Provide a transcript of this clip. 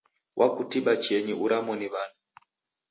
Wakutiba chienyi uramo ni w'andu?